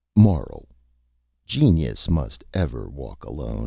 Moral: _Genius must ever walk Alone.